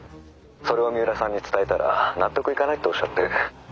それを三浦さんに伝えたら納得いかないっておっしゃって。